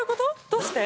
どうして？